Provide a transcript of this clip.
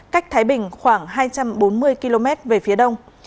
cách thái bình khoảng hai trăm bốn mươi km về phía đông